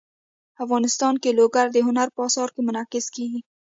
افغانستان کې لوگر د هنر په اثار کې منعکس کېږي.